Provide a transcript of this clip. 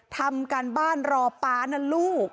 ทำการบ้านรอป๊านะลูก